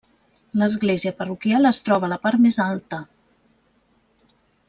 L'església parroquial es troba a la part més alta.